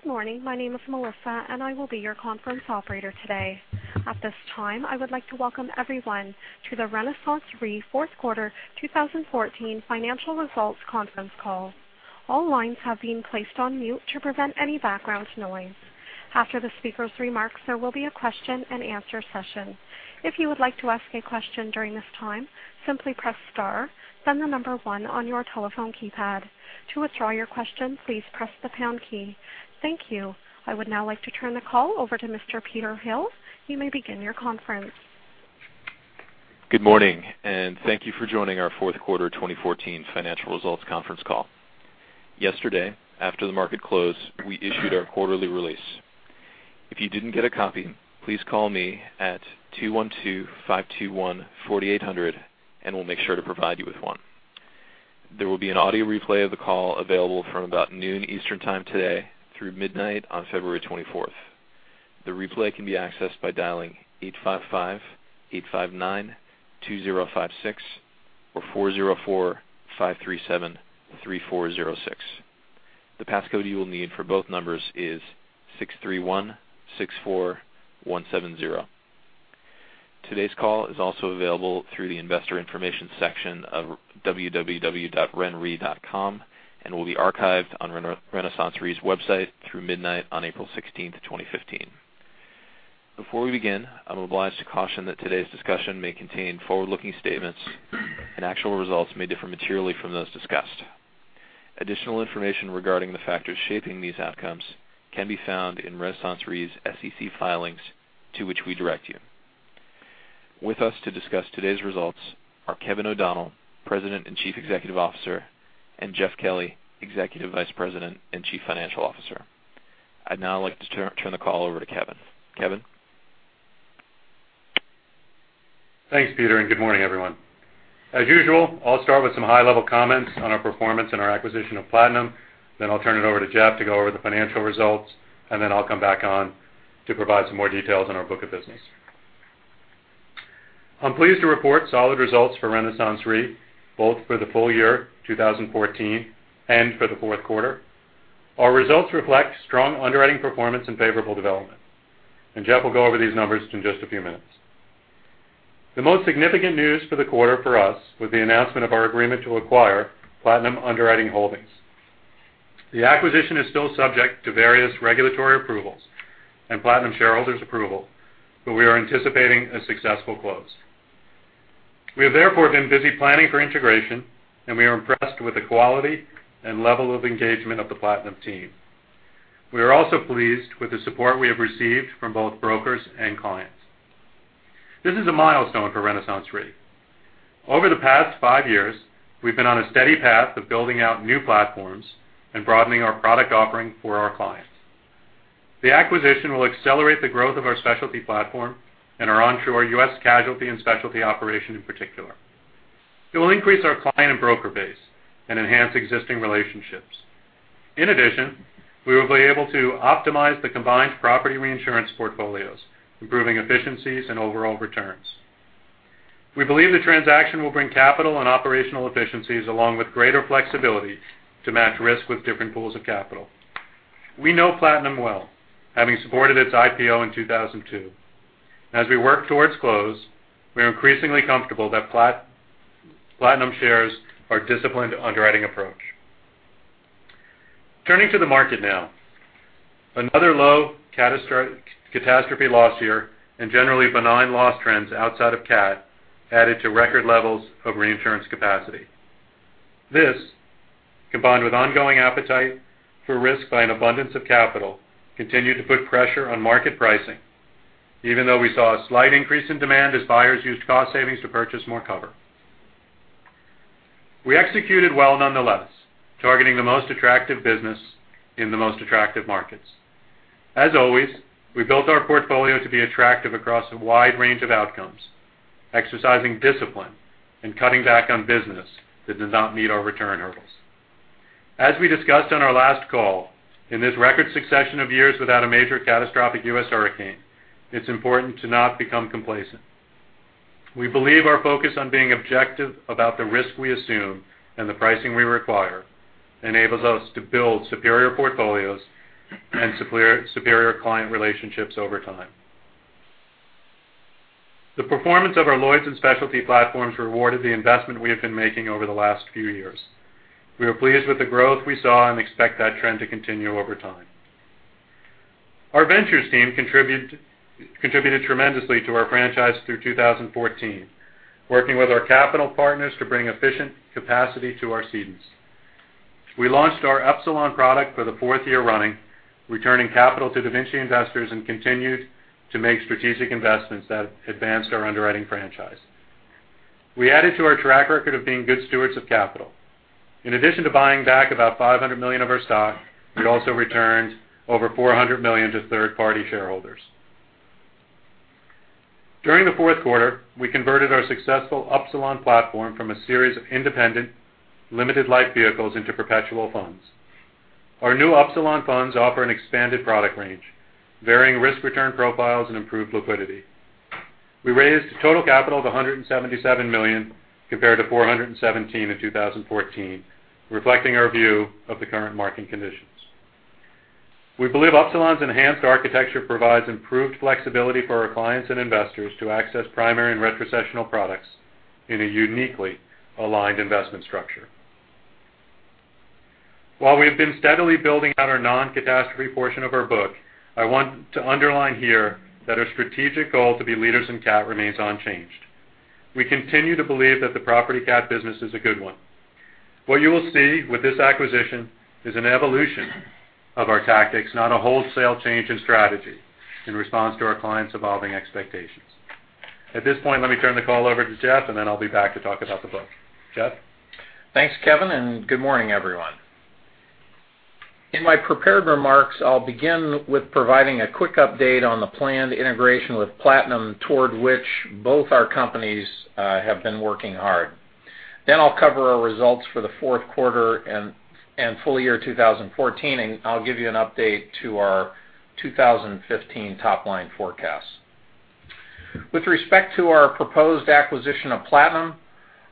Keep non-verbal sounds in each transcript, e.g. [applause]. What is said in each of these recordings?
Good morning. My name is Melissa, and I will be your conference operator today. At this time, I would like to welcome everyone to the RenaissanceRe Fourth Quarter 2014 Financial Results Conference Call. All lines have been placed on mute to prevent any background noise. After the speaker's remarks, there will be a question and answer session. If you would like to ask a question during this time, simply press star, then the number one on your telephone keypad. To withdraw your question, please press the pound key. Thank you. I would now like to turn the call over to Mr. Peter Hill. You may begin your conference. Good morning. Thank you for joining our fourth quarter 2014 financial results conference call. Yesterday, after the market closed, we issued our quarterly release. If you didn't get a copy, please call me at 212-521-4800 and we'll make sure to provide you with one. There will be an audio replay of the call available from about noon Eastern Time today through midnight on February 24th. The replay can be accessed by dialing 855-859-2056 or 404-537-3406. The pass code you will need for both numbers is 63164170. Today's call is also available through the investor information section of www.renre.com and will be archived on RenaissanceRe's website through midnight on April 16th, 2015. Before we begin, I'm obliged to caution that today's discussion may contain forward-looking statements and actual results may differ materially from those discussed. Additional information regarding the factors shaping these outcomes can be found in RenaissanceRe's SEC filings to which we direct you. With us to discuss today's results are Kevin O'Donnell, President and Chief Executive Officer, and Jeff Kelly, Executive Vice President and Chief Financial Officer. I'd now like to turn the call over to Kevin. Kevin? Thanks, Peter. Good morning, everyone. As usual, I'll start with some high-level comments on our performance and our acquisition of Platinum. I'll turn it over to Jeff to go over the financial results. I'll come back on to provide some more details on our book of business. I'm pleased to report solid results for RenaissanceRe, both for the full year 2014 and for the fourth quarter. Our results reflect strong underwriting performance and favorable development. Jeff will go over these numbers in just a few minutes. The most significant news for the quarter for us was the announcement of our agreement to acquire Platinum Underwriters Holdings. The acquisition is still subject to various regulatory approvals and Platinum shareholders' approval. We are anticipating a successful close. We have therefore been busy planning for integration, and we are impressed with the quality and level of engagement of the Platinum team. We are also pleased with the support we have received from both brokers and clients. This is a milestone for RenaissanceRe. Over the past five years, we've been on a steady path of building out new platforms and broadening our product offering for our clients. The acquisition will accelerate the growth of our specialty platform and our onshore U.S. casualty and specialty operation in particular. It will increase our client and broker base and enhance existing relationships. In addition, we will be able to optimize the combined property reinsurance portfolios, improving efficiencies and overall returns. We believe the transaction will bring capital and operational efficiencies along with greater flexibility to match risk with different pools of capital. We know Platinum well, having supported its IPO in 2002. As we work towards close, we are increasingly comfortable that Platinum shares our disciplined underwriting approach. Turning to the market now. Another low catastrophe loss year and generally benign loss trends outside of cat added to record levels of reinsurance capacity. This, combined with ongoing appetite for risk by an abundance of capital, continued to put pressure on market pricing even though we saw a slight increase in demand as buyers used cost savings to purchase more cover. We executed well nonetheless, targeting the most attractive business in the most attractive markets. As always, we built our portfolio to be attractive across a wide range of outcomes, exercising discipline and cutting back on business that does not meet our return hurdles. As we discussed on our last call, in this record succession of years without a major catastrophic U.S. hurricane, it's important to not become complacent. We believe our focus on being objective about the risk we assume and the pricing we require enables us to build superior portfolios and superior client relationships over time. The performance of our Lloyd's and specialty platforms rewarded the investment we have been making over the last few years. We are pleased with the growth we saw and expect that trend to continue over time. Our ventures team contributed tremendously to our franchise through 2014, working with our capital partners to bring efficient capacity to our cedents. We launched our Upsilon product for the fourth year running, returning capital to DaVinci investors and continued to make strategic investments that advanced our underwriting franchise. We added to our track record of being good stewards of capital. In addition to buying back about $500 million of our stock, we also returned over $400 million to third-party shareholders. During the fourth quarter, we converted our successful Upsilon platform from a series of independent limited life vehicles into perpetual funds. Our new Upsilon funds offer an expanded product range, varying risk-return profiles and improved liquidity. We raised total capital of $177 million compared to $417 million in 2014, reflecting our view of the current market conditions. We believe Upsilon's enhanced architecture provides improved flexibility for our clients and investors to access primary and retrocessional products in a uniquely aligned investment structure. While we have been steadily building out our non-catastrophe portion of our book, I want to underline here that our strategic goal to be leaders in cat remains unchanged. We continue to believe that the property cat business is a good one. What you will see with this acquisition is an evolution of our tactics, not a wholesale change in strategy in response to our clients' evolving expectations. At this point, let me turn the call over to Jeff, then I'll be back to talk about the book. Jeff? Thanks, Kevin, and good morning, everyone. In my prepared remarks, I'll begin with providing a quick update on the planned integration with Platinum toward which both our companies have been working hard. I'll cover our results for the fourth quarter and full year 2014, I'll give you an update to our 2015 top-line forecast. With respect to our proposed acquisition of Platinum,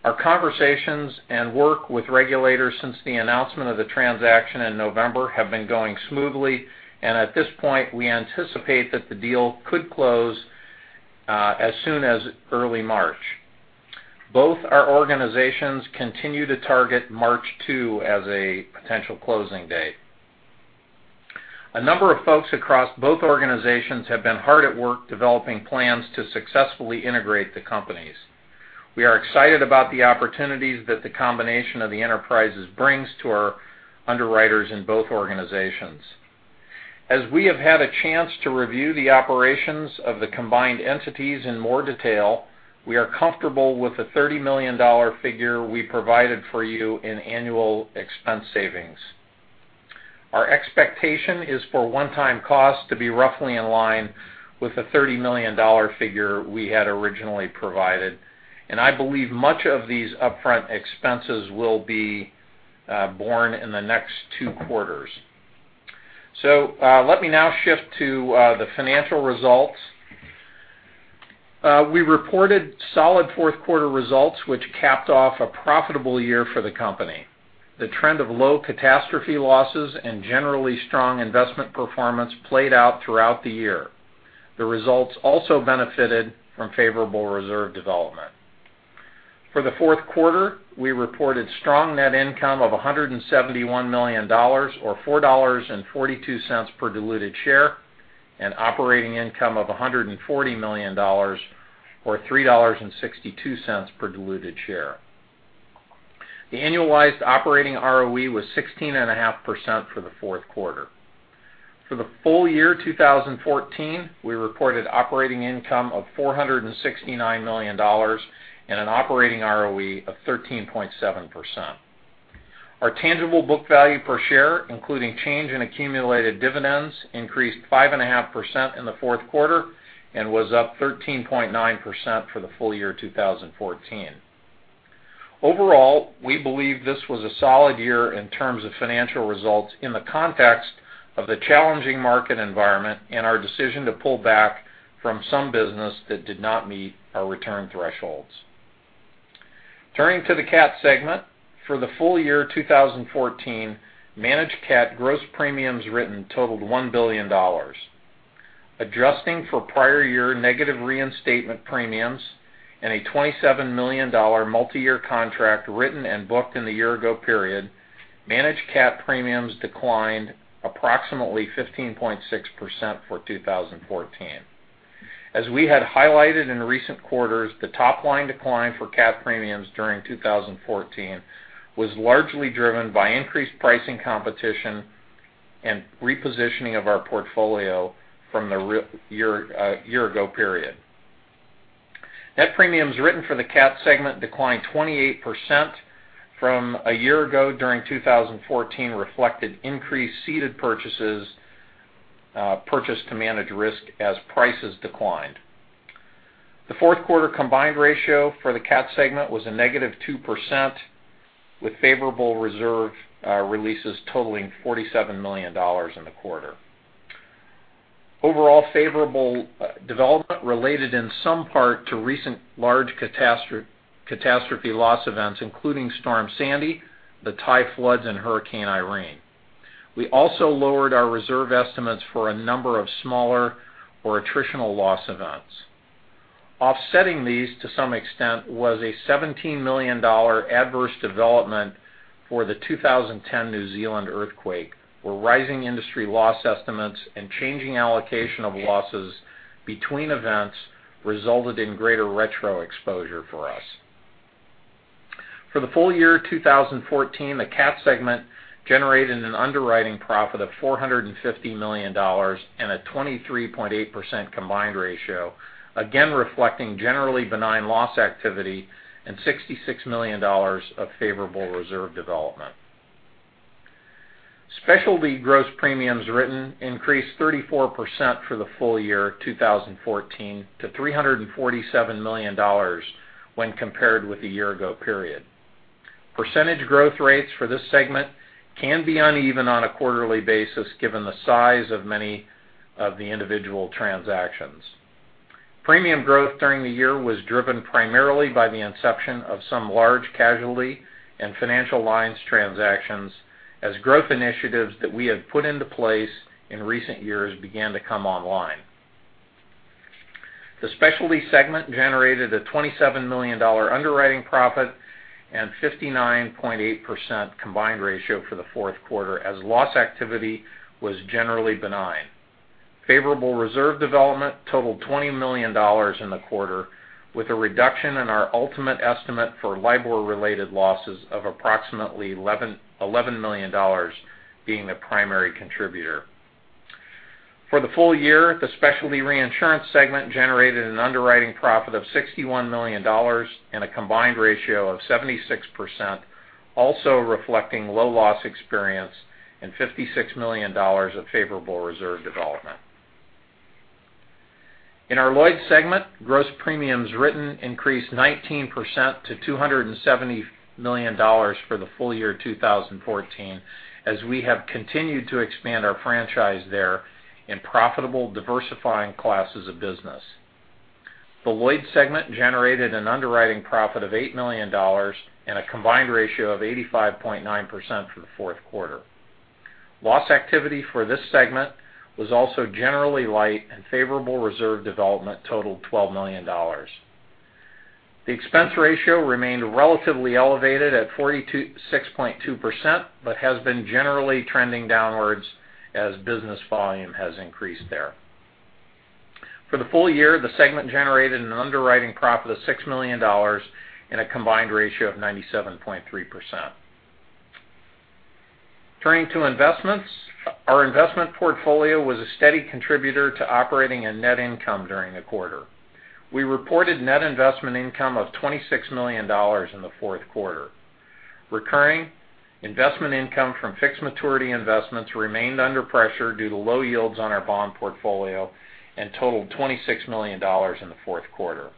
our conversations and work with regulators since the announcement of the transaction in November have been going smoothly, at this point, we anticipate that the deal could close as soon as early March. Both our organizations continue to target March 2 as a potential closing date. A number of folks across both organizations have been hard at work developing plans to successfully integrate the companies. We are excited about the opportunities that the combination of the enterprises brings to our underwriters in both organizations. As we have had a chance to review the operations of the combined entities in more detail, we are comfortable with the $30 million figure we provided for you in annual expense savings. Our expectation is for one-time costs to be roughly in line with the $30 million figure we had originally provided, I believe much of these upfront expenses will be borne in the next two quarters. Let me now shift to the financial results. We reported solid fourth quarter results which capped off a profitable year for the company. The trend of low catastrophe losses and generally strong investment performance played out throughout the year. The results also benefited from favorable reserve development. For the fourth quarter, we reported strong net income of $171 million or $4.42 per diluted share, operating income of $140 million or $3.62 per diluted share. The annualized operating ROE was 16.5% for the fourth quarter. For the full year 2014, we reported operating income of $469 million an operating ROE of 13.7%. Our tangible book value per share including change in accumulated dividends increased 5.5% in the fourth quarter and was up 13.9% for the full year 2014. Overall, we believe this was a solid year in terms of financial results in the context of the challenging market environment our decision to pull back from some business that did not meet our return thresholds. Turning to the cat segment. For the full year 2014, managed cat gross premiums written totaled $1 billion. Adjusting for prior year negative reinstatement premiums and a $27 million multi-year contract written and booked in the year ago period, managed cat premiums declined approximately 15.6% for 2014. As we had highlighted in recent quarters, the top line decline for cat premiums during 2014 was largely driven by increased pricing competition and repositioning of our portfolio from the year ago period. Net premiums written for the cat segment declined 28% from a year ago during 2014 reflected increased ceded purchases, purchased to manage risk as prices declined. The fourth quarter combined ratio for the cat segment was a negative 2% with favorable reserve releases totaling $47 million in the quarter. Overall favorable development related in some part to recent large catastrophe loss events including Storm Sandy, the Thai floods and Hurricane Irene. We also lowered our reserve estimates for a number of smaller or attritional loss events. Offsetting these to some extent was a $17 million adverse development for the 2010 New Zealand earthquake, where rising industry loss estimates and changing allocation of losses between events resulted in greater retro exposure for us. For the full year 2014, the cat segment generated an underwriting profit of $450 million and a 23.8% combined ratio, again reflecting generally benign loss activity and $66 million of favorable reserve development. Specialty gross premiums written increased 34% for the full year 2014 to $347 million when compared with the year ago period. Percentage growth rates for this segment can be uneven on a quarterly basis given the size of many of the individual transactions. Premium growth during the year was driven primarily by the inception of some large casualty and financial lines transactions as growth initiatives that we had put into place in recent years began to come online. The Specialty segment generated a $27 million underwriting profit and 59.8% combined ratio for the fourth quarter as loss activity was generally benign. Favorable reserve development totaled $20 million in the quarter, with a reduction in our ultimate estimate for LIBOR-related losses of approximately $11 million being the primary contributor. For the full year, the Specialty Reinsurance segment generated an underwriting profit of $61 million and a combined ratio of 76%, also reflecting low loss experience and $56 million of favorable reserve development. In our Lloyd's segment, gross premiums written increased 19% to $270 million for the full year 2014 as we have continued to expand our franchise there in profitable diversifying classes of business. The Lloyd's segment generated an underwriting profit of $8 million and a combined ratio of 85.9% for the fourth quarter. Loss activity for this segment was also generally light and favorable reserve development totaled $12 million. The expense ratio remained relatively elevated at 46.2%, but has been generally trending downwards as business volume has increased there. For the full year, the segment generated an underwriting profit of $6 million and a combined ratio of 97.3%. Turning to investments, our investment portfolio was a steady contributor to operating and net income during the quarter. We reported net investment income of $26 million in the fourth quarter. Recurring investment income from fixed maturity investments remained under pressure due to low yields on our bond portfolio and totaled $26 million in the fourth quarter.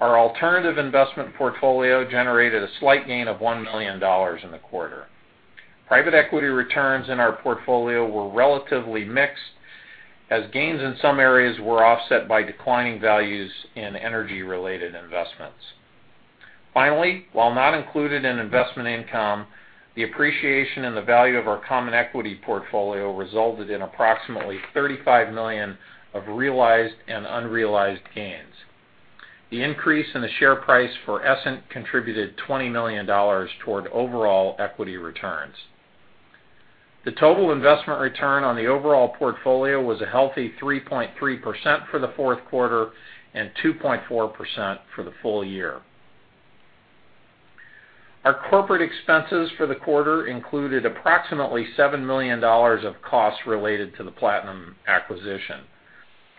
Our alternative investment portfolio generated a slight gain of $1 million in the quarter. Private equity returns in our portfolio were relatively mixed as gains in some areas were offset by declining values in energy related investments. While not included in investment income, the appreciation in the value of our common equity portfolio resulted in approximately $35 million of realized and unrealized gains. The increase in the share price for Essent contributed $20 million toward overall equity returns. The total investment return on the overall portfolio was a healthy 3.3% for the fourth quarter and 2.4% for the full year. Our corporate expenses for the quarter included approximately $7 million of costs related to the Platinum acquisition.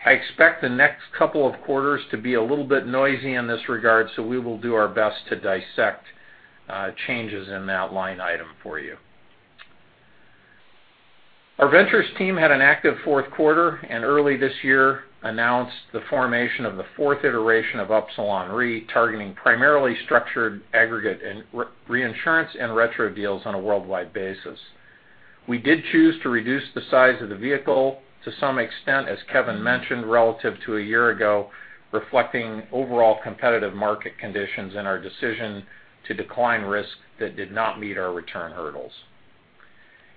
I expect the next couple of quarters to be a little bit noisy in this regard. We will do our best to dissect changes in that line item for you. Our ventures team had an active fourth quarter and early this year announced the formation of the fourth iteration of Upsilon Re, targeting primarily structured aggregate and reinsurance and retro deals on a worldwide basis. We did choose to reduce the size of the vehicle to some extent, as Kevin mentioned, relative to a year ago, reflecting overall competitive market conditions and our decision to decline risk that did not meet our return hurdles.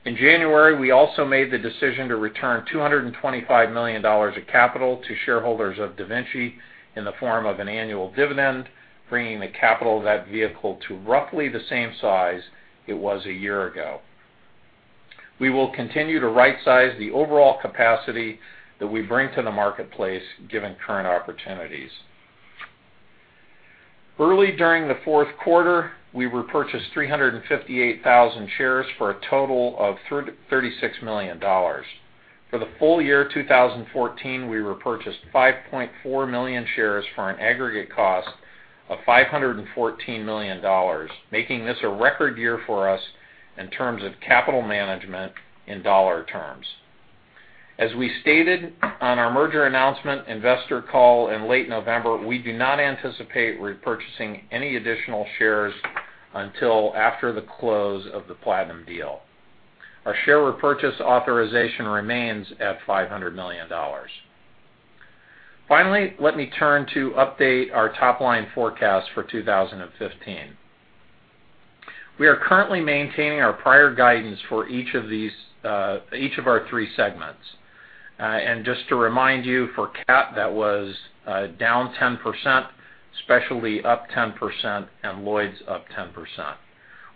In January, we also made the decision to return $225 million of capital to shareholders of DaVinci in the form of an annual dividend, bringing the capital of that vehicle to roughly the same size it was a year ago. We will continue to right size the overall capacity that we bring to the marketplace given current opportunities. Early during the fourth quarter, we repurchased 358,000 shares for a total of $36 million. For the full year 2014, we repurchased 5.4 million shares for an aggregate cost of $514 million, making this a record year for us in terms of capital management in dollar terms. As we stated on our merger announcement investor call in late November, we do not anticipate repurchasing any additional shares until after the close of the Platinum deal. Our share repurchase authorization remains at $500 million. Let me turn to update our top-line forecast for 2015. We are currently maintaining our prior guidance for each of our three segments. Just to remind you, for cat that was down 10%, specialty up 10%, Lloyd's up 10%.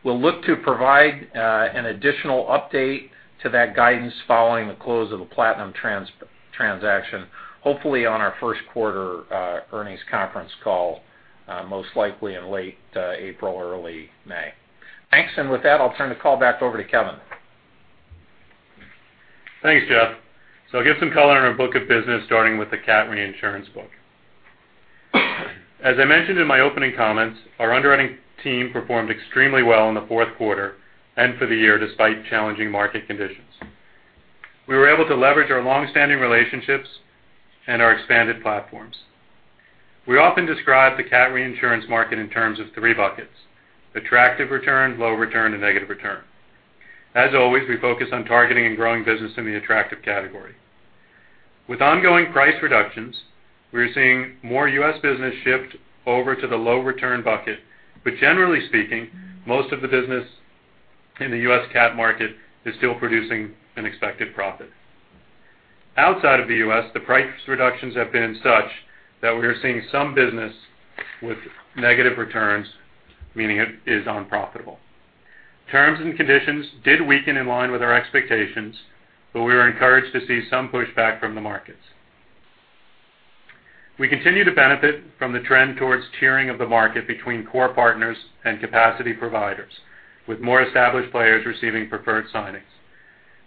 We'll look to provide an additional update to that guidance following the close of the Platinum transaction, hopefully on our first quarter earnings conference call, most likely in late April or early May. Thanks. With that, I'll turn the call back over to Kevin. Thanks, Jeff. I'll give some color on our book of business, starting with the cat reinsurance book. As I mentioned in my opening comments, our underwriting team performed extremely well in the fourth quarter and for the year despite challenging market conditions. We were able to leverage our longstanding relationships and our expanded platforms. We often describe the cat reinsurance market in terms of three buckets: attractive return, low return, and negative return. As always, we focus on targeting and growing business in the attractive category. With ongoing price reductions, we are seeing more U.S. business shift over to the low return bucket. Generally speaking, most of the business in the U.S. cat market is still producing an expected profit. Outside of the U.S., the price reductions have been such that we are seeing some business with negative returns, meaning it is unprofitable. Terms and conditions did weaken in line with our expectations. We were encouraged to see some pushback from the markets. We continue to benefit from the trend towards tiering of the market between core partners and capacity providers, with more established players receiving preferred signings.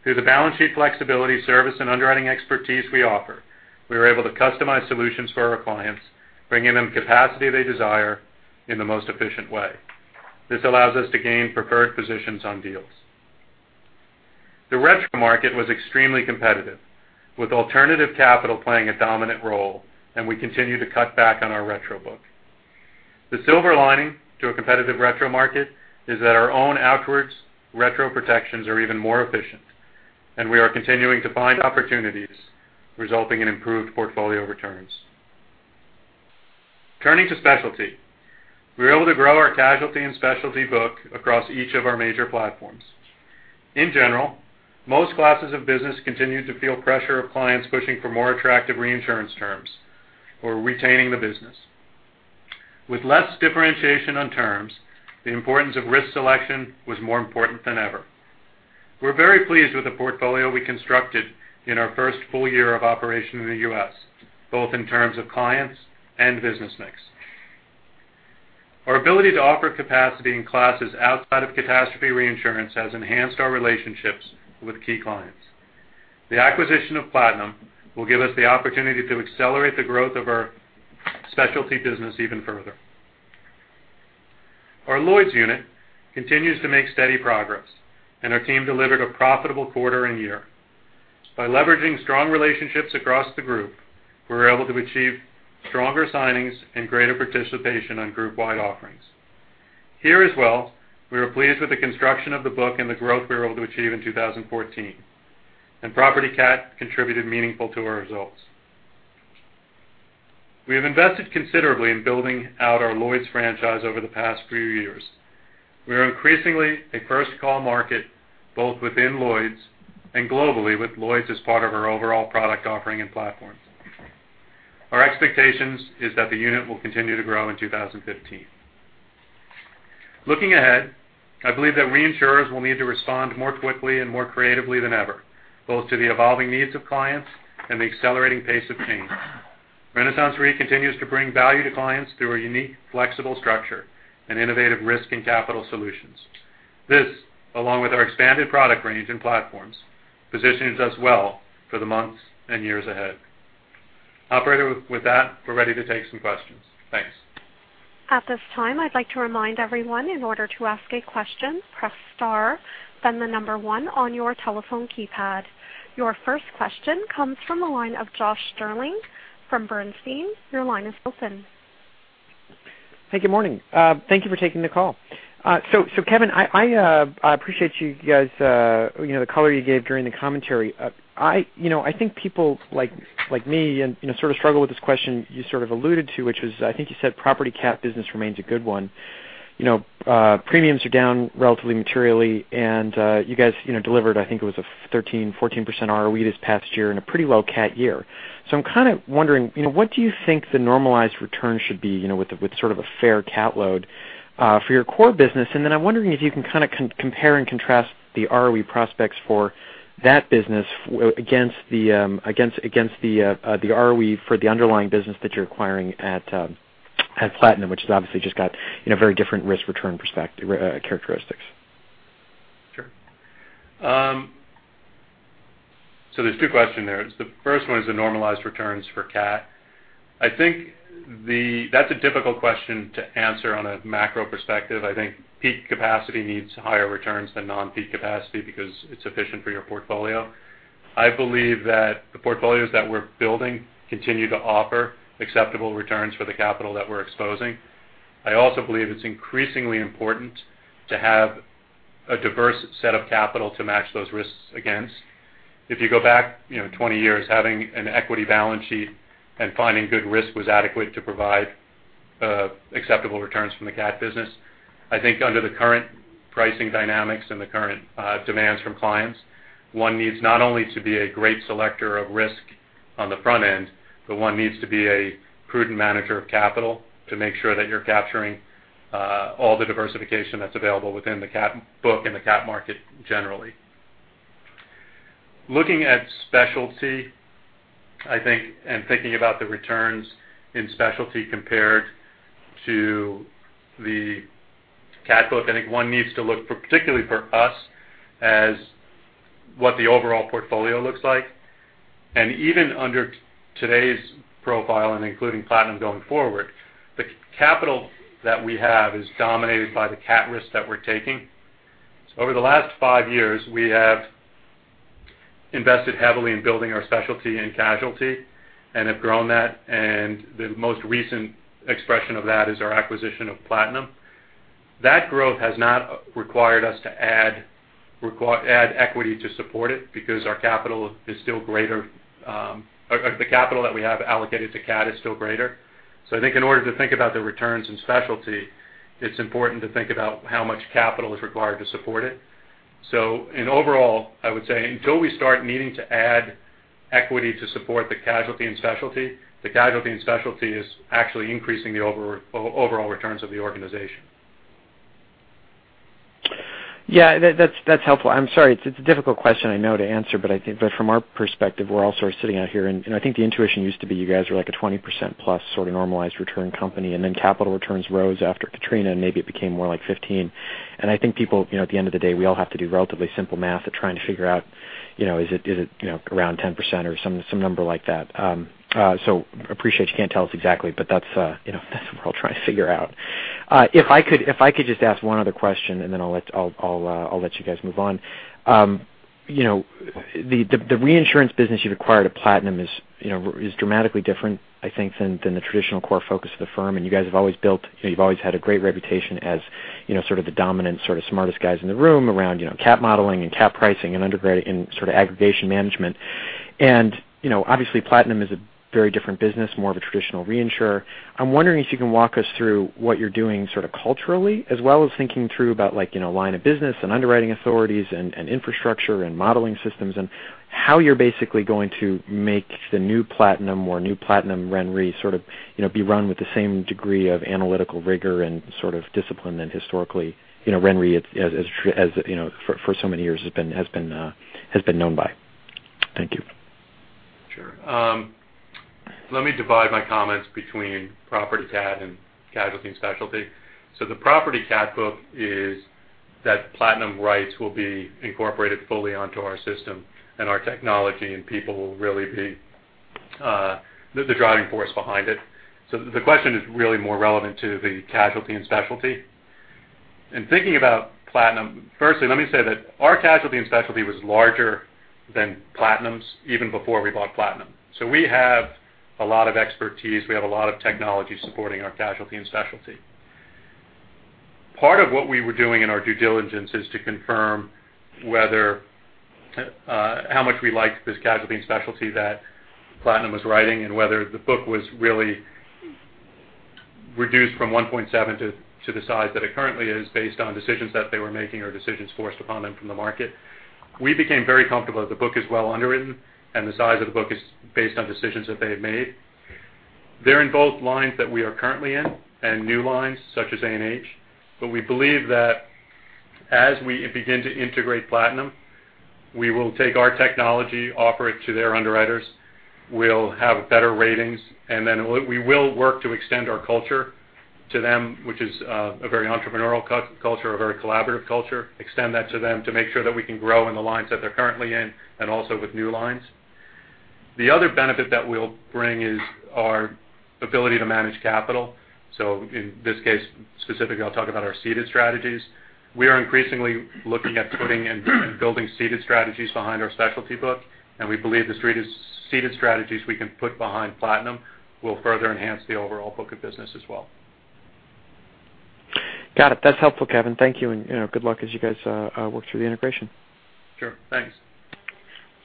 Through the balance sheet flexibility, service, and underwriting expertise we offer, we were able to customize solutions for our clients, bringing them capacity they desire in the most efficient way. This allows us to gain preferred positions on deals. The retro market was extremely competitive, with alternative capital playing a dominant role. We continue to cut back on our retro book. The silver lining to a competitive retro market is that our own outwards retro protections are even more efficient. We are continuing to find opportunities, resulting in improved portfolio returns. Turning to specialty, we were able to grow our casualty and specialty book across each of our major platforms. In general, most classes of business continued to feel pressure of clients pushing for more attractive reinsurance terms or retaining the business. With less differentiation on terms, the importance of risk selection was more important than ever. We're very pleased with the portfolio we constructed in our first full year of operation in the U.S., both in terms of clients and business mix. Our ability to offer capacity in classes outside of catastrophe reinsurance has enhanced our relationships with key clients. The acquisition of Platinum will give us the opportunity to accelerate the growth of our specialty business even further. Our Lloyd's unit continues to make steady progress. Our team delivered a profitable quarter and year. By leveraging strong relationships across the group, we were able to achieve stronger signings and greater participation on group-wide offerings. Here as well, we were pleased with the construction of the book and the growth we were able to achieve in 2014. Property cat contributed meaningfully to our results. We have invested considerably in building out our Lloyd's franchise over the past few years. We are increasingly a first-call market, both within Lloyd's and globally, with Lloyd's as part of our overall product offering and platform. Our expectations is that the unit will continue to grow in 2015. Looking ahead, I believe that reinsurers will need to respond more quickly and more creatively than ever, both to the evolving needs of clients and the accelerating pace of change. RenaissanceRe continues to bring value to clients through our unique, flexible structure and innovative risk and capital solutions. This, along with our expanded product range and platforms, positions us well for the months and years ahead. Operator, with that, we're ready to take some questions. Thanks. At this time, I'd like to remind everyone, in order to ask a question, press star, then the number one on your telephone keypad. Your first question comes from the line of Josh Stirling from Bernstein. Your line is open. Hey, good morning. Thank you for taking the call. Kevin, I appreciate you guys, the color you gave during the commentary. I think people like me sort of struggle with this question you sort of alluded to, which was, I think you said property cat business remains a good one. Premiums are down relatively materially, and you guys delivered, I think it was a 13%-14% ROE this past year in a pretty low cat year. I'm kind of wondering what do you think the normalized return should be with sort of a fair cat load for your core business? And then I'm wondering if you can kind of compare and contrast the ROE prospects for that business against the ROE for the underlying business that you're acquiring at Platinum, which obviously just got very different risk return characteristics. Sure. There's two questions there. The first one is the normalized returns for cat. I think that's a difficult question to answer on a macro perspective. I think peak capacity needs higher returns than non-peak capacity because it's efficient for your portfolio. I believe that the portfolios that we're building continue to offer acceptable returns for the capital that we're exposing. I also believe it's increasingly important to have a diverse set of capital to match those risks against. If you go back 20 years, having an equity balance sheet and finding good risk was adequate to provide acceptable returns from the cat business. I think under the current pricing dynamics and the current demands from clients, one needs not only to be a great selector of risk on the front end, but one needs to be a prudent manager of capital to make sure that you're capturing all the diversification that's available within the cat book and the cat market generally. Looking at specialty, and thinking about the returns in specialty compared to the cat book, I think one needs to look for, particularly for us, as what the overall portfolio looks like. Even under today's profile and including Platinum going forward, the capital that we have is dominated by the cat risk that we're taking. Over the last five years, we have invested heavily in building our specialty and casualty and have grown that. The most recent expression of that is our acquisition of Platinum. That growth has not required us to add equity to support it because our capital is still greater. The capital that we have allocated to cat is still greater. I think in order to think about the returns in specialty, it's important to think about how much capital is required to support it. In overall, I would say until we start needing to add equity to support the casualty and specialty, the casualty and specialty is actually increasing the overall returns of the organization. Yeah, that's helpful. I'm sorry. It's a difficult question, I know, to answer, but I think that from our perspective, we're all sort of sitting out here. I think the intuition used to be you guys were like a 20%+ sort of normalized return company, then capital returns rose after Katrina, and maybe it became more like 15%. I think people, at the end of the day, we all have to do relatively simple math of trying to figure out, is it around 10% or some number like that. Appreciate you can't tell us exactly, but that's what we're all trying to figure out. If I could just ask one other question, then I'll let you guys move on. The reinsurance business you've acquired at Platinum is dramatically different, I think, than the traditional core focus of the firm. You guys have always built, you've always had a great reputation as sort of the dominant, sort of smartest guys in the room around cat modeling and cat pricing and sort of aggregation management. Obviously Platinum is a very different business, more of a traditional reinsurer. I'm wondering if you can walk us through what you're doing sort of culturally, as well as thinking through about line of business and underwriting authorities and infrastructure and modeling systems, and how you're basically going to make the new Platinum or new Platinum RenRe sort of be run with the same degree of analytical rigor and sort of discipline that historically RenRe for so many years has been known by. Thank you. Sure. Let me divide my comments between property cat and casualty and specialty. The property cat book is that Platinum rights will be incorporated fully onto our system and our technology and people will really be the driving force behind it. The question is really more relevant to the casualty and specialty. In thinking about Platinum, firstly, let me say that our casualty and specialty was larger than Platinum's even before we bought Platinum. We have a lot of expertise. We have a lot of technology supporting our casualty and specialty. Part of what we were doing in our due diligence is to confirm how much we liked this casualty and specialty that Platinum was writing and whether the book was really reduced from 1.7 to the size that it currently is based on decisions that they were making or decisions forced upon them from the market. We became very comfortable that the book is well underwritten and the size of the book is based on decisions that they have made. They're in both lines that we are currently in and new lines such as A&H. We believe that as we begin to integrate Platinum, we will take our technology, offer it to their underwriters. We'll have better ratings, then we will work to extend our culture to them, which is a very entrepreneurial culture, a very collaborative culture, extend that to them to make sure that we can grow in the lines that they're currently in and also with new lines. The other benefit that we'll bring is our ability to manage capital. In this case, specifically, I'll talk about our ceded strategies. We are increasingly looking at putting and building ceded strategies behind our specialty book, we believe the ceded strategies we can put behind Platinum will further enhance the overall book of business as well. Got it. That's helpful, Kevin. Thank you, and good luck as you guys work through the integration. Sure. Thanks.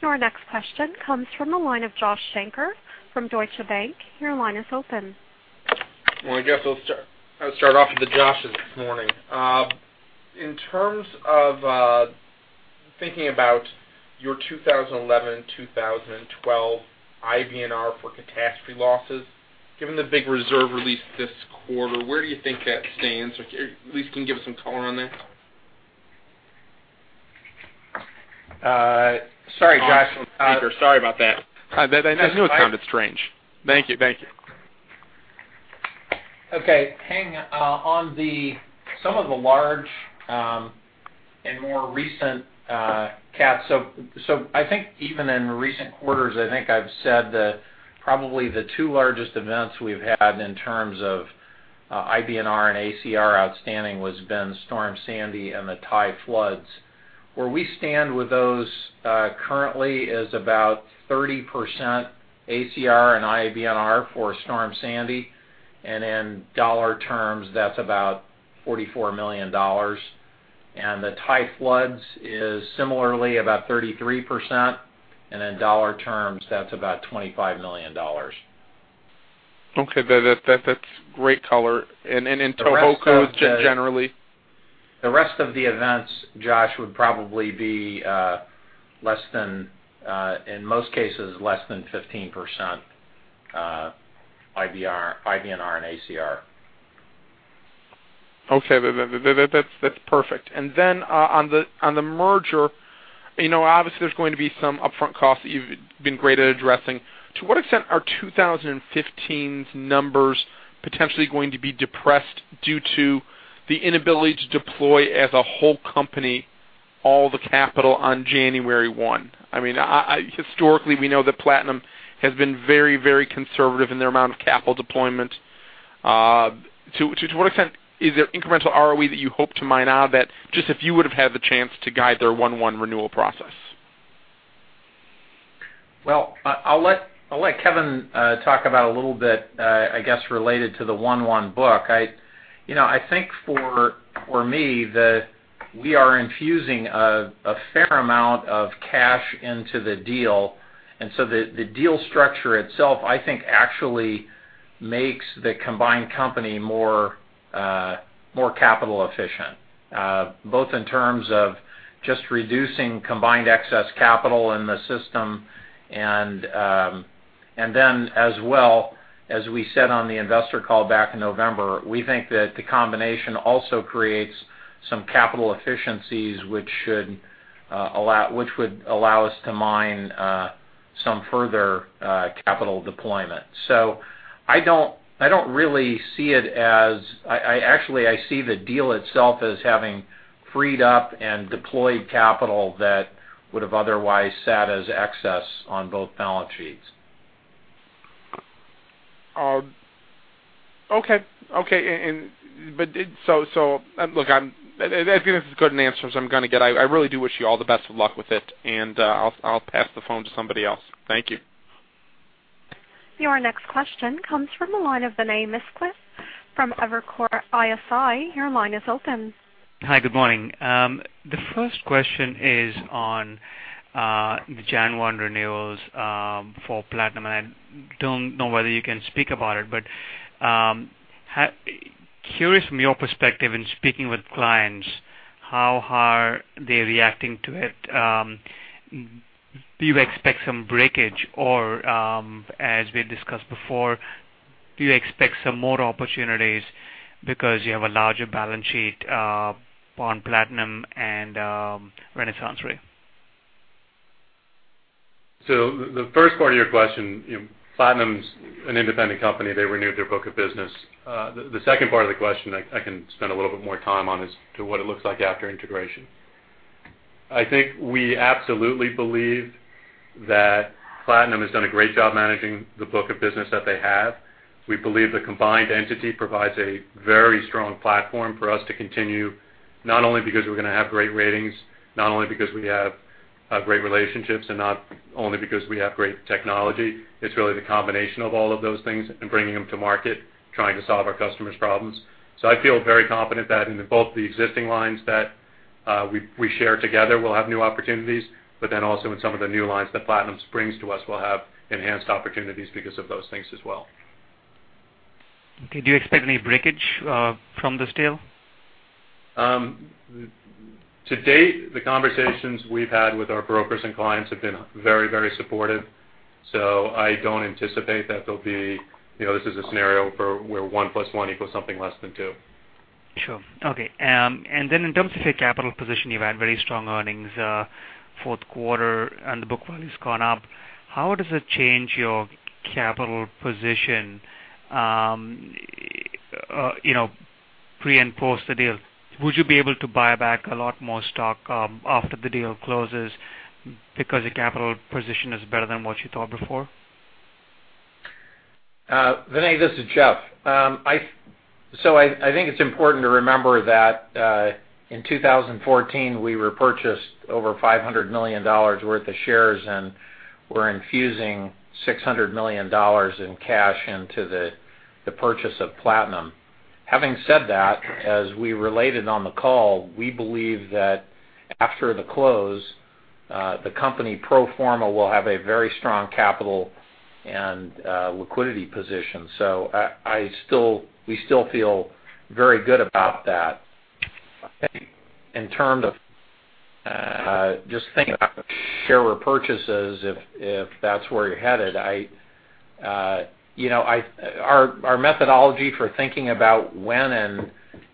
Your next question comes from the line of Joshua Shanker from Deutsche Bank. Your line is open. Well, I guess I'll start off with the Joshes this morning. In terms of thinking about your 2011, 2012 IBNR for catastrophe losses, given the big reserve release this quarter, where do you think that stands? Or at least can you give us some color on that? Sorry, Josh. Sorry about that. I knew it sounded strange. Thank you. Hang on, some of the large and more recent cats. I think even in recent quarters, I think I've said that probably the two largest events we've had in terms of IBNR and ACR outstanding was been Storm Sandy and the Thai floods. Where we stand with those currently is about 30% ACR and IBNR for Storm Sandy, and in dollar terms, that's about $44 million. The Thai floods is similarly about 33%, and in dollar terms, that's about $25 million. That's great color. In Tōhoku, generally? The rest of the events, Josh, would probably be, in most cases, less than 15% IBNR and ACR. That's perfect. On the merger, obviously there's going to be some upfront costs that you've been great at addressing. To what extent are 2015's numbers potentially going to be depressed due to the inability to deploy as a whole company all the capital on January 1? I mean, historically, we know that Platinum has been very conservative in their amount of capital deployment. To what extent is there incremental ROE that you hope to mine out that just if you would've had the chance to guide their 1/1 renewal process? Well, I'll let Kevin talk about a little bit, I guess, related to the 1/1 book. I think for me, we are infusing a fair amount of cash into the deal. The deal structure itself, I think actually makes the combined company more capital efficient, both in terms of just reducing combined excess capital in the system and then as well, as we said on the investor call back in November, we think that the combination also creates some capital efficiencies, which would allow us to mine some further capital deployment. I don't really see it as. Actually, I see the deal itself as having freed up and deployed capital that would've otherwise sat as excess on both balance sheets. Okay. Look, that's as good an answer as I'm going to get. I really do wish you all the best of luck with it, and I'll pass the phone to somebody else. Thank you. Your next question comes from the line of Vinay Misquith from Evercore ISI. Your line is open. Hi, good morning. The first question is on the Jan 1 renewals for Platinum, and I don't know whether you can speak about it, but curious from your perspective in speaking with clients, how are they reacting to it? Do you expect some breakage or as we discussed before, do you expect some more opportunities because you have a larger balance sheet on Platinum and RenaissanceRe? The first part of your question, Platinum's an independent company. They renewed their book of business. The second part of the question I can spend a little bit more time on is to what it looks like after integration. I think we absolutely believe that Platinum has done a great job managing the book of business that they have. We believe the combined entity provides a very strong platform for us to continue, not only because we're going to have great ratings, not only because we have great relationships, and not only because we have great technology. It's really the combination of all of those things and bringing them to market, trying to solve our customers' problems. I feel very confident that in both the existing lines that we share together, we'll have new opportunities, also in some of the new lines that Platinum brings to us, we'll have enhanced opportunities because of those things as well. Okay. Do you expect any breakage from this deal? To date, the conversations we've had with our brokers and clients have been very supportive. I don't anticipate that this is a scenario where one plus one equals something less than two. Sure. Okay. In terms of your capital position, you've had very strong earnings fourth quarter, and the book value's gone up. How does it change your capital position pre and post the deal? Would you be able to buy back a lot more stock after the deal closes because your capital position is better than what you thought before? Vinay, this is Jeff. I think it's important to remember that in 2014, we repurchased over $500 million worth of shares, and we're infusing $600 million in cash into the purchase of Platinum. Having said that, as we related on the call, we believe that after the close, the company pro forma will have a very strong capital and liquidity position. We still feel very good about that. I think in terms of just thinking about share repurchases, if that's where you're headed, our methodology for thinking about when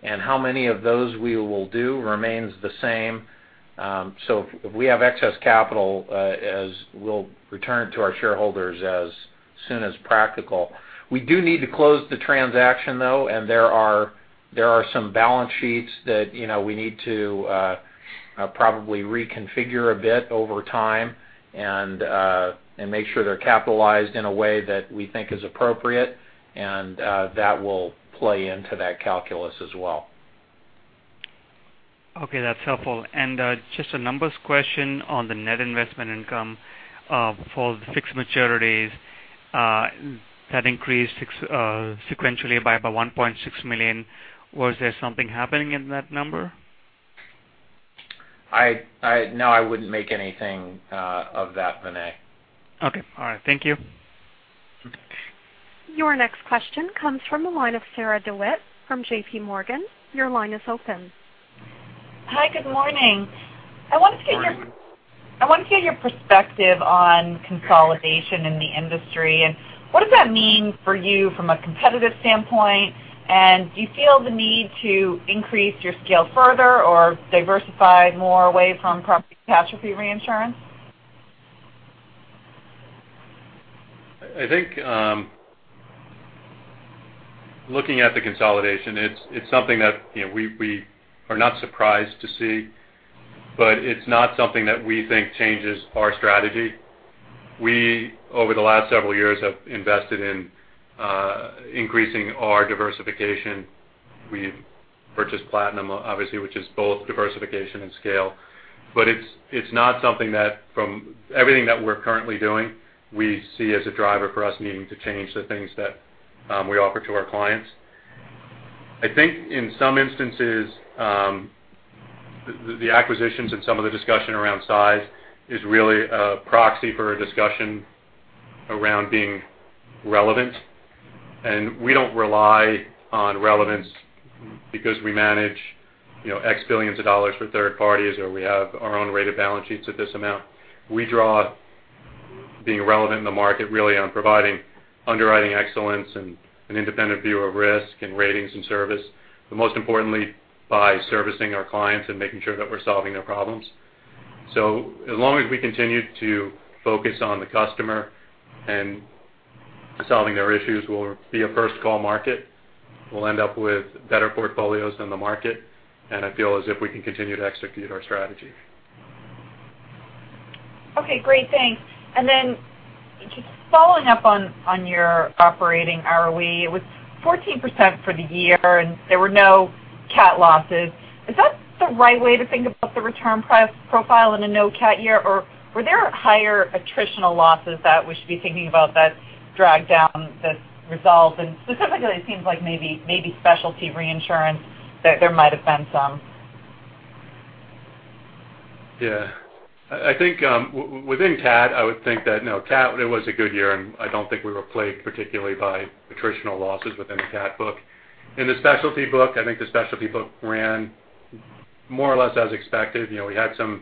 and how many of those we will do remains the same. If we have excess capital, we'll return to our shareholders as soon as practical. We do need to close the transaction, though. There are some balance sheets that we need to probably reconfigure a bit over time and make sure they're capitalized in a way that we think is appropriate, and that will play into that calculus as well. Okay, that's helpful. Just a numbers question on the net investment income for the fixed maturities that increased sequentially by about $1.6 million. Was there something happening in that number? No, I wouldn't make anything of that, Vinay. Okay. All right. Thank you. Your next question comes from the line of Sarah DeWitt from J.P. Morgan. Your line is open. Hi, good morning. I wanted to get your perspective on consolidation in the industry, what does that mean for you from a competitive standpoint? Do you feel the need to increase your scale further or diversify more away from property catastrophe reinsurance? I think looking at the consolidation, it's something that we are not surprised to see, but it's not something that we think changes our strategy. We, over the last several years, have invested in increasing our diversification. We purchased Platinum, obviously, which is both diversification and scale, but it's not something that from everything that we're currently doing, we see as a driver for us needing to change the things that we offer to our clients. I think in some instances, the acquisitions and some of the discussion around size is really a proxy for a discussion around being relevant, and we don't rely on relevance because we manage X billions of dollars for third parties, or we have our own rate of balance sheets at this amount. We draw being relevant in the market really on providing underwriting excellence and an independent view of risk in ratings and service, but most importantly by servicing our clients and making sure that we're solving their problems. As long as we continue to focus on the customer and solving their issues, we'll be a first-call market. We'll end up with better portfolios than the market, I feel as if we can continue to execute our strategy. Okay, great. Thanks. Just following up on your operating ROE, it was 14% for the year, and there were no CAT losses. Is that the right way to think about the return profile in a no CAT year, or were there higher attritional losses that we should be thinking about that dragged down the results? Specifically, it seems like maybe specialty reinsurance, that there might have been some. Yeah. I think within CAT, I would think that, no, CAT, it was a good year, and I don't think we were plagued particularly by attritional losses within the CAT book. In the specialty book, I think the specialty book ran more or less as expected. We had some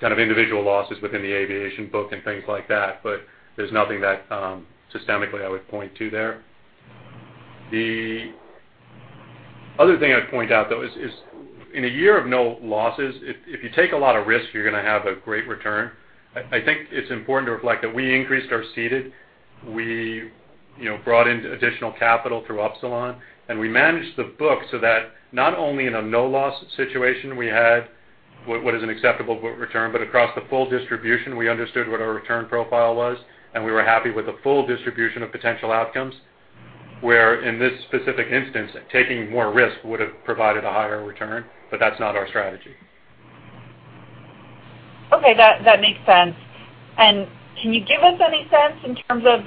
kind of individual losses within the aviation book and things like that, but there's nothing that systemically I would point to there. The other thing I'd point out, though, is in a year of no losses, if you take a lot of risk, you're going to have a great return. I think it's important to reflect that we increased our ceded. We brought in additional capital through Upsilon, and we managed the book so that not only in a no-loss situation, we had what is an acceptable return, but across the full distribution, we understood what our return profile was, and we were happy with the full distribution of potential outcomes. Where in this specific instance, taking more risk would've provided a higher return, but that's not our strategy. Okay. That makes sense. Can you give us any sense in terms of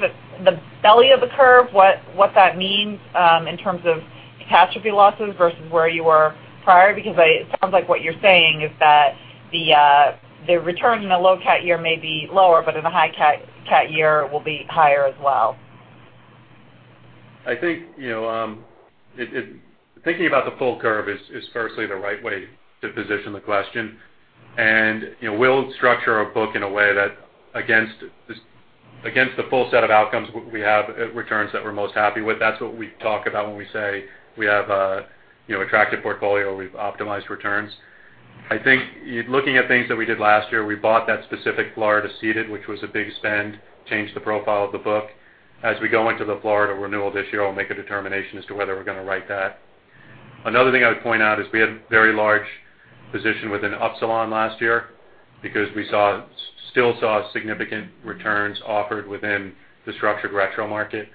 the belly of the curve, what that means in terms of catastrophe losses versus where you were prior? Because it sounds like what you're saying is that the return in a low CAT year may be lower, but in a high CAT year, it will be higher as well. I think, thinking about the full curve is firstly the right way to position the question. We'll structure our book in a way that against the full set of outcomes, we have returns that we're most happy with. That's what we talk about when we say we have attractive portfolio, we've optimized returns. I think looking at things that we did last year, we bought that specific Florida ceded, which was a big spend, changed the profile of the book. As we go into the Florida renewal this year, we'll make a determination as to whether we're going to write that. Another thing I would point out is we had very large position within Upsilon last year because we still saw significant returns offered within the structured retro market.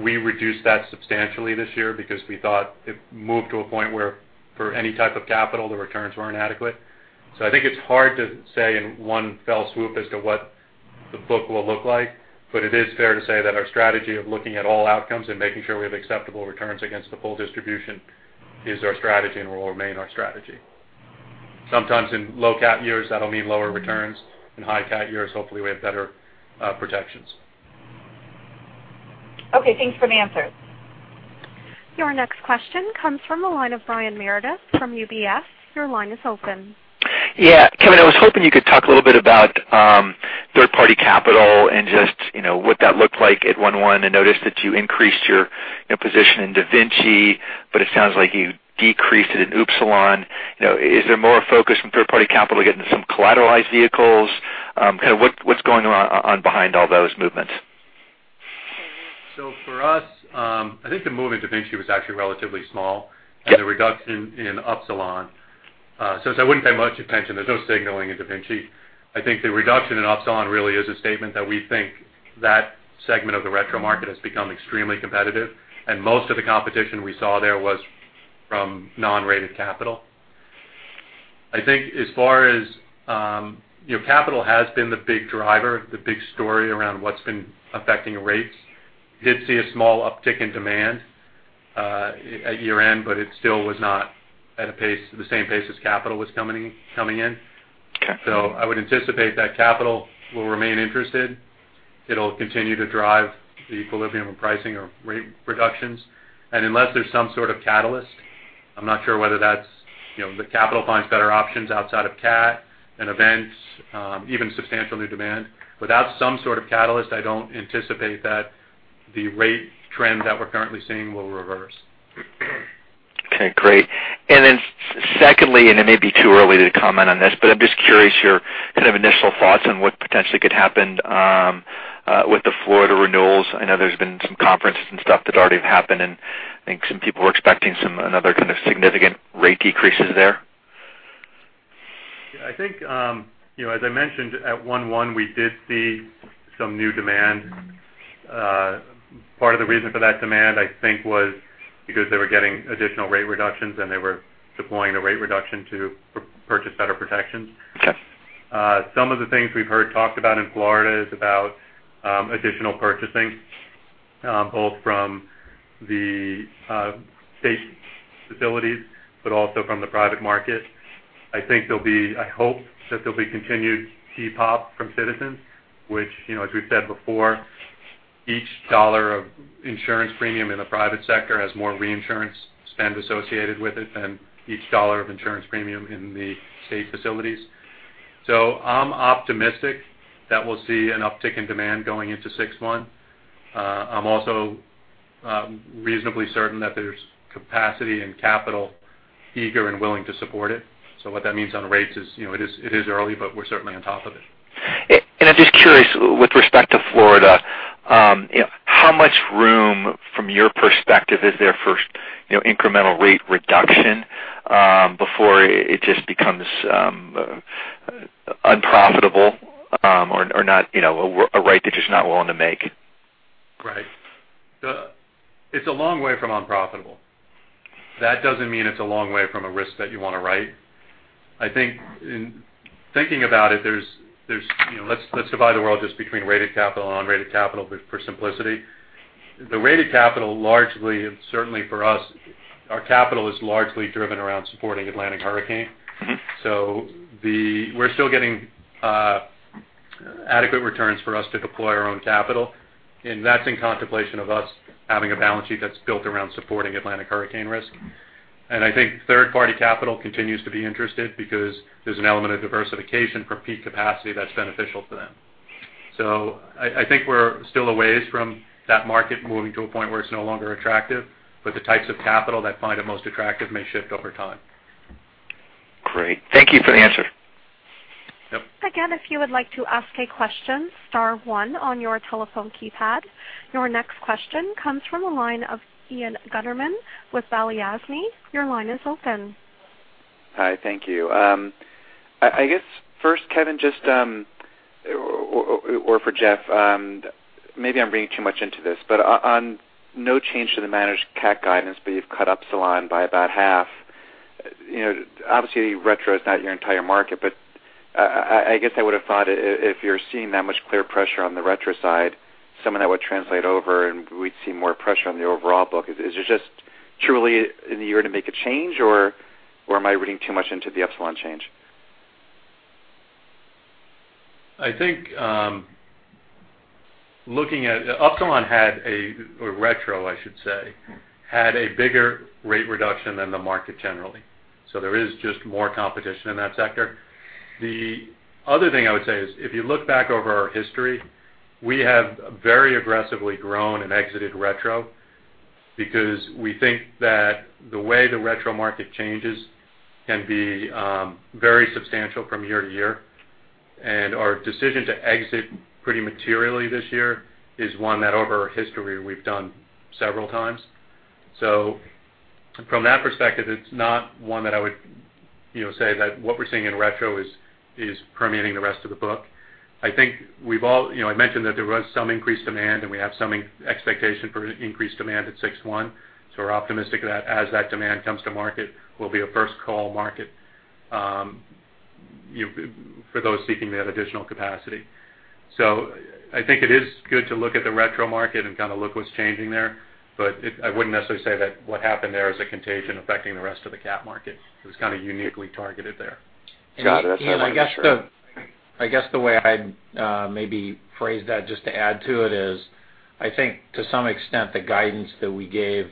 We reduced that substantially this year because we thought it moved to a point where for any type of capital, the returns weren't adequate. I think it's hard to say in one fell swoop as to what the book will look like, but it is fair to say that our strategy of looking at all outcomes and making sure we have acceptable returns against the full distribution is our strategy and will remain our strategy. Sometimes in low CAT years, that'll mean lower returns. In high CAT years, hopefully we have better protections. Okay. Thanks for the answer. Your next question comes from the line of Brian Meredith from UBS. Your line is open. Yeah. Kevin, I was hoping you could talk a little bit about third-party capital and just what that looked like at 1/1. I noticed that you increased your position in DaVinci, but it sounds like you decreased it in Upsilon. Is there more focus from third-party capital getting into some collateralized vehicles? Kind of what's going on behind all those movements? For us, I think the move in DaVinci was actually relatively small and the reduction in Upsilon. I wouldn't pay much attention. There's no signaling in DaVinci. I think the reduction in Upsilon really is a statement that we think that segment of the retro market has become extremely competitive, and most of the competition we saw there was from non-rated capital. I think as far as capital has been the big driver, the big story around what's been affecting rates. We did see a small uptick in demand at year-end, but it still was not at the same pace as capital was coming in. Okay. I would anticipate that capital will remain interested. It'll continue to drive the equilibrium of pricing or rate reductions. Unless there's some sort of catalyst, I'm not sure whether that's the capital finds better options outside of CAT and events, even substantial new demand. Without some sort of catalyst, I don't anticipate that the rate trend that we're currently seeing will reverse. Okay, great. Secondly, it may be too early to comment on this, but I'm just curious your kind of initial thoughts on what potentially could happen with the Florida renewals. I know there's been some conferences and stuff that already have happened, I think some people were expecting another kind of significant rate decreases there. I think, as I mentioned at one, we did see some new demand. Part of the reason for that demand, I think, was because they were getting additional rate reductions and they were deploying the rate reduction to purchase better protections. Yes. Some of the things we've heard talked about in Florida is about additional purchasing, both from the state facilities but also from the private market. I hope that there'll be continued depop from Citizens, which, as we've said before, each dollar of insurance premium in the private sector has more reinsurance spend associated with it than each dollar of insurance premium in the state facilities. I'm optimistic that we'll see an uptick in demand going into six months. I'm also reasonably certain that there's capacity and capital eager and willing to support it. What that means on rates is it is early, but we're certainly on top of it. I'm just curious, with respect to Florida, how much room, from your perspective, is there for incremental rate reduction before it just becomes unprofitable or not a rate they're just not willing to make? Right. It's a long way from unprofitable. That doesn't mean it's a long way from a risk that you want to write. I think in thinking about it, let's divide the world just between rated capital, unrated capital, but for simplicity. The rated capital largely, and certainly for us, our capital is largely driven around supporting Atlantic hurricane. We're still getting adequate returns for us to deploy our own capital, and that's in contemplation of us having a balance sheet that's built around supporting Atlantic hurricane risk. I think third-party capital continues to be interested because there's an element of diversification for peak capacity that's beneficial to them. I think we're still a way from that market moving to a point where it's no longer attractive, but the types of capital that find it most attractive may shift over time. Great. Thank you for the answer. Yep. Again, if you would like to ask a question, star one on your telephone keypad. Your next question comes from the line of Ian Gutterman with Balyasny. Your line is open. Hi, thank you. I guess first, Kevin, or for Jeff, maybe I'm reading too much into this, on no change to the managed cat guidance, you've cut Upsilon by about half. Obviously, retro is not your entire market, I guess I would have thought if you're seeing that much clear pressure on the retro side, some of that would translate over and we'd see more pressure on the overall book. Is it just truly in the year to make a change, or am I reading too much into the Upsilon change? I think Upsilon had a, or retro, I should say, had a bigger rate reduction than the market generally. There is just more competition in that sector. The other thing I would say is if you look back over our history, we have very aggressively grown and exited retro because we think that the way the retro market changes can be very substantial from year to year. Our decision to exit pretty materially this year is one that over our history, we've done several times. From that perspective, it's not one that I would say that what we're seeing in retro is permeating the rest of the book. I think I mentioned that there was some increased demand, we have some expectation for increased demand at six one, we're optimistic that as that demand comes to market, we'll be a first-call market for those seeking that additional capacity. I think it is good to look at the retro market and kind of look what's changing there, I wouldn't necessarily say that what happened there is a contagion affecting the rest of the cat market. It was kind of uniquely targeted there. Got it. [inaudible] Ian, I guess the way I'd maybe phrase that, just to add to it, is I think to some extent, the guidance that we gave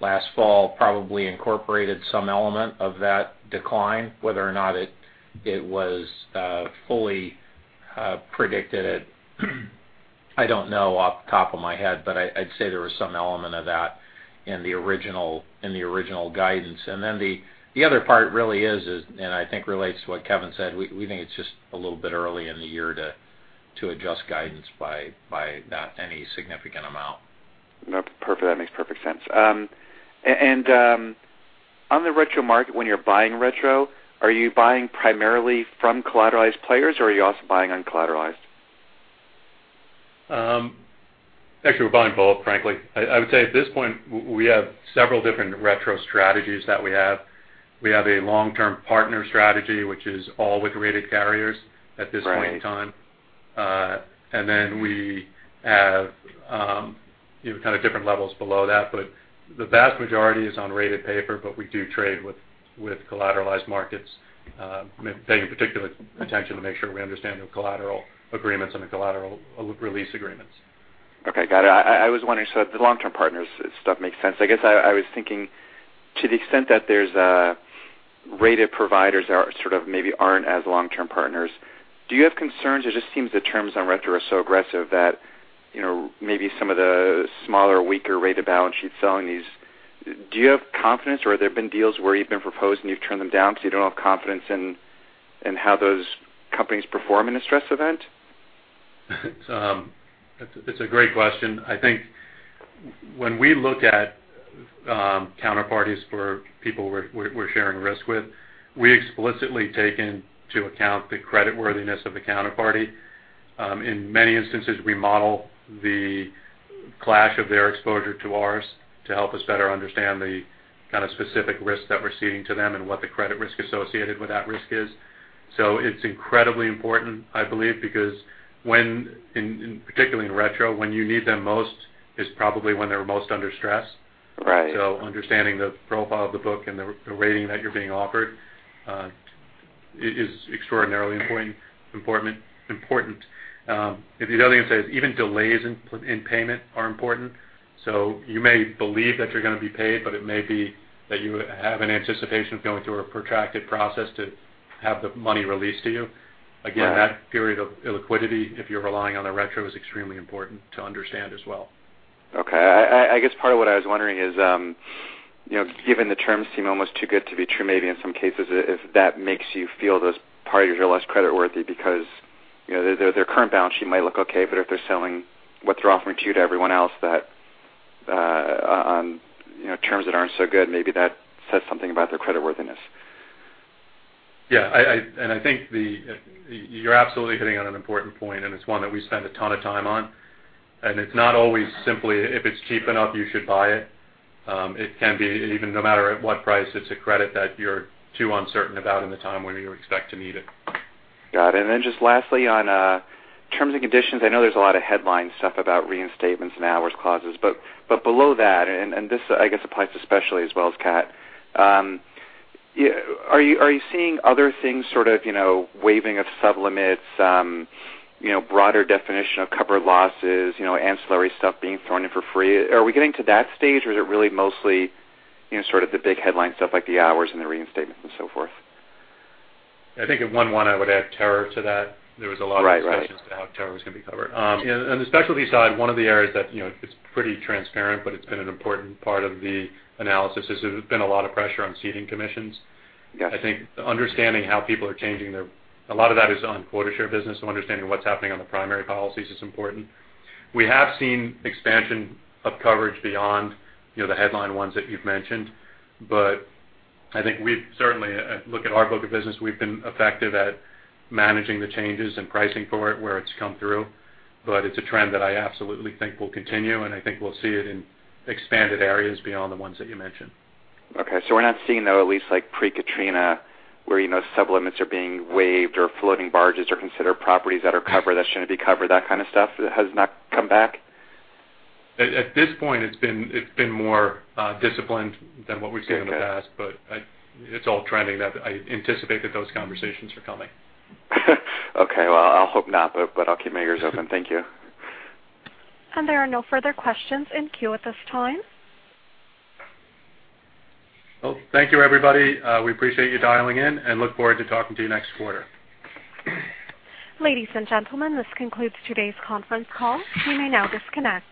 last fall probably incorporated some element of that decline. Whether or not it was fully predicted, I don't know off the top of my head, but I'd say there was some element of that in the original guidance. Then the other part really is, and I think relates to what Kevin said, we think it's just a little bit early in the year to adjust guidance by any significant amount. No, that makes perfect sense. On the retro market, when you're buying retro, are you buying primarily from collateralized players, or are you also buying uncollateralized? Actually, we're buying both, frankly. I would say at this point, we have several different retro strategies that we have. We have a long-term partner strategy, which is all with rated carriers at this point in time. Right. We have kind of different levels below that, but the vast majority is on rated paper, but we do trade with collateralized markets, paying particular attention to make sure we understand the collateral agreements and the collateral release agreements. Okay, got it. I was wondering, the long-term partners stuff makes sense. I guess I was thinking to the extent that there's rated providers that sort of maybe aren't as long-term partners, do you have concerns? It just seems the terms on retro are so aggressive that maybe some of the smaller, weaker rated balance sheets selling these. Do you have confidence, or have there been deals where you've been proposed and you've turned them down because you don't have confidence in how those companies perform in a stress event? It's a great question. I think when we look at counterparties for people we're sharing risk with, we explicitly take into account the creditworthiness of the counterparty. In many instances, we model the clash of their exposure to ours to help us better understand the kind of specific risks that we're ceding to them and what the credit risk associated with that risk is. It's incredibly important, I believe, because when, particularly in retro, when you need them most, is probably when they're most under stress. Right. Understanding the profile of the book and the rating that you're being offered is extraordinarily important. If there's anything I'd say, even delays in payment are important. You may believe that you're going to be paid, but it may be that you have an anticipation of going through a protracted process to have the money released to you. Right. That period of illiquidity, if you're relying on a retro, is extremely important to understand as well. I guess part of what I was wondering is, given the terms seem almost too good to be true, maybe in some cases, if that makes you feel those parties are less creditworthy because their current balance sheet might look okay, but if they're selling what they're offering to you to everyone else on terms that aren't so good, maybe that says something about their creditworthiness. I think you're absolutely hitting on an important point, and it's one that we spend a ton of time on. It's not always simply if it's cheap enough, you should buy it. It can be even no matter at what price, it's a credit that you're too uncertain about in the time when you expect to need it. Then just lastly, on terms and conditions, I know there's a lot of headline stuff about reinstatements and hours clauses, but below that, and this, I guess, applies especially as well as CAT. Are you seeing other things sort of waiving of sublimits, broader definition of covered losses, ancillary stuff being thrown in for free? Are we getting to that stage, or is it really mostly sort of the big headline stuff like the hours and the reinstatement and so forth? I think at one one, I would add terror to that. There was a lot of Right discussions to how terror was going to be covered. On the specialty side, one of the areas that it's pretty transparent, but it's been an important part of the analysis, is there's been a lot of pressure on ceding commissions. Yes. I think understanding how people are changing their. A lot of that is on quota share business, so understanding what's happening on the primary policies is important. We have seen expansion of coverage beyond the headline ones that you've mentioned. I think we've certainly, look at our book of business, we've been effective at managing the changes and pricing for it where it's come through. It's a trend that I absolutely think will continue, and I think we'll see it in expanded areas beyond the ones that you mentioned. Okay. We're not seeing, though, at least like pre-Katrina, where sublimits are being waived or floating barges are considered properties that are covered that shouldn't be covered, that kind of stuff, that has not come back? At this point, it's been more disciplined than what we've seen in the past. Okay. It's all trending that I anticipate that those conversations are coming. Okay. Well, I'll hope not, but I'll keep my ears open. Thank you. There are no further questions in queue at this time. Well, thank you, everybody. We appreciate you dialing in, and look forward to talking to you next quarter. Ladies and gentlemen, this concludes today's conference call. You may now disconnect.